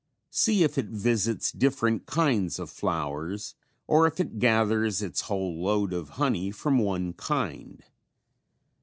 See if it visits different kinds of flowers or if it gathers its whole load of honey from one kind.